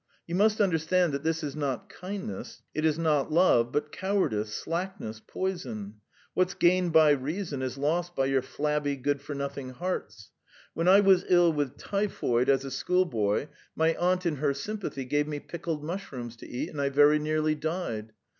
"You must understand that this is not kindness, it is not love, but cowardice, slackness, poison! What's gained by reason is lost by your flabby good for nothing hearts! When I was ill with typhoid as a schoolboy, my aunt in her sympathy gave me pickled mushrooms to eat, and I very nearly died.